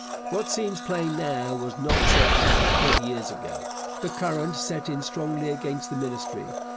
What seems plain now was not so apparent forty years ago. The current set in strongly against the Ministry.